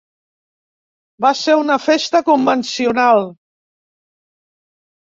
Va ser una festa convencional.